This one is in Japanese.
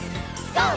ＧＯ！